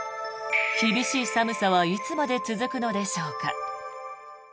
厳しい寒さはいつまで続くのでしょうか。